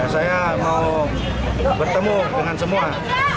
saya mau bertemu dengan semua